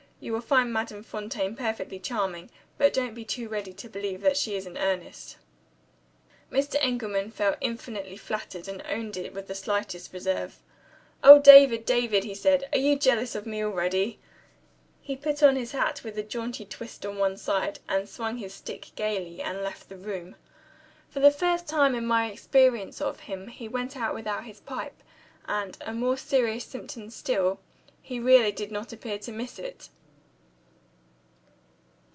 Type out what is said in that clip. You will find Madame Fontaine perfectly charming; but don't be too ready to believe that she is in earnest." Mr. Engelman felt infinitely flattered, and owned it without the slightest reserve. "Oh, David! David!" he said, "are you jealous of me already?" He put on his hat (with a jaunty twist on one side), and swung his stick gaily, and left the room. For the first time, in my experience of him, he went out without his pipe; and (a more serious symptom still) he really did not appear to miss it.